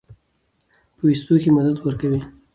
پۀ ويستو کښې مدد ورکوي